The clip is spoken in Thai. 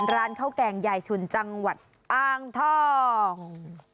ร้านข้าวแกงยายชุนจังหวัดอ้างทอง